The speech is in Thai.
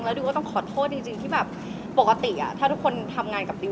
ดิวก็ต้องขอโทษจริงที่แบบปกติถ้าทุกคนทำงานกับดิว